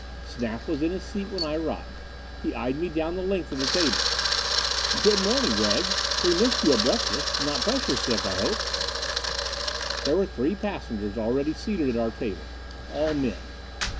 Snap was in his seat when I arrived. He eyed me down the length of the table. "Good morning, Gregg. We missed you at breakfast. Not pressure sick, I hope?" There were three passengers already seated at our table all men.